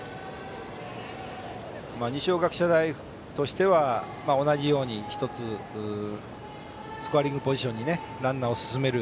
二松学舎大としては同じようにスコアリングポジションにランナーを進める。